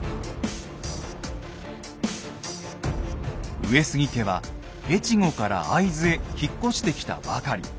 上杉家は越後から会津へ引っ越してきたばかり。